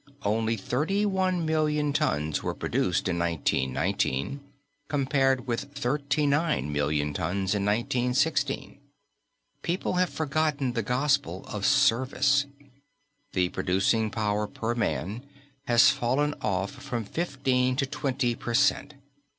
Only thirty one million tons were produced in 1919, compared with thirty nine million tons in 1916. People have forgotten the gospel of service. The producing power per man has fallen off from fifteen to twenty per cent.